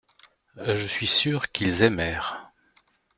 Je suis sûr qu’ils aimèrent.